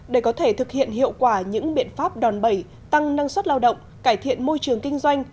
để có thể thực hiện hiệu quả những biện pháp đòn bẩy tăng năng suất lao động cải thiện môi trường kinh doanh